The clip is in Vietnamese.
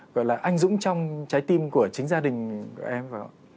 gọi là anh dũng trong trái tim của chính gia đình của em phải không